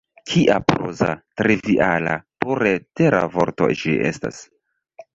Kia proza, triviala, pure tera vorto ĝi estas!